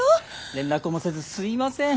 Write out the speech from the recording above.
連絡もせずすいません。